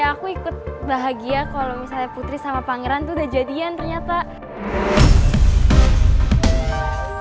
aku ikut bahagia kalau misalnya putri sama pangeran tuh udah jadian ternyata